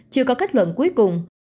chưa có kết luận cuối cùng